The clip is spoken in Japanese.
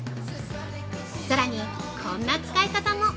さらにこんな使い方も！